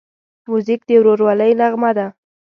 موزیک د ورورولۍ نغمه ده.